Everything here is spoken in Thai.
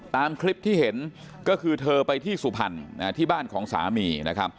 ตามคลิปที่เห็นก็คือเธอไปที่สุพรรณที่บ้านของสามีนะครับ